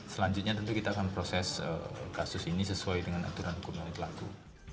selanjutnya tentu kita akan proses kasus ini sesuai dengan aturan hukum yang berlaku